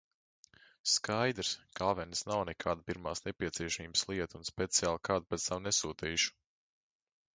Skaidrs, ka avenes nav nekāda pirmās nepieciešamības lieta un speciāli kādu pēc tām nesūtīšu.